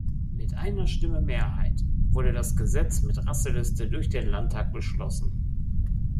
Mit einer Stimme Mehrheit wurde das Gesetz mit Rasseliste durch den Landtag beschlossen.